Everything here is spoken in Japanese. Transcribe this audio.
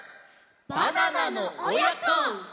「バナナのおやこ」！